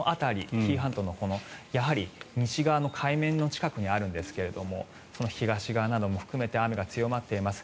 紀伊半島の西側の海面の近くにあるんですが東側なども含めて雨が強まっています。